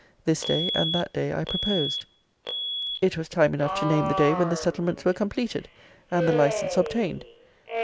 This day and that day I proposed. It was time enough to name the day, when the settlements were completed, and the license obtained.